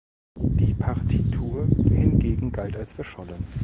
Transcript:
Die Partitur hingegen galt als verschollen.